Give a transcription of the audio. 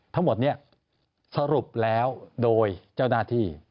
ทั้งหมดนี้สรุปแล้วโดยเจ้าหน้าที่